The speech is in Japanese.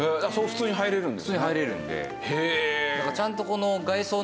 普通に入れるんで。